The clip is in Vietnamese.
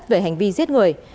về hành vi giết người